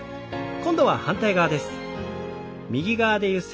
今度は反対側です。